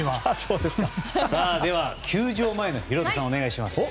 では球場前のヒロドさん、お願いします。